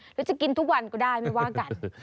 หรือจะกินทุกวันก็ได้ไม่ว่ากัน